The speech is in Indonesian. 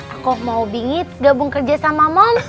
aku mau bingit gabung kerja sama mon